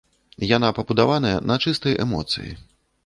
Яна пабудаваная на чыстай эмоцыі.